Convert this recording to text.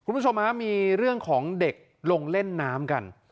คุณผู้ชมฮะมีเรื่องของเด็กลงเล่นน้ำกัน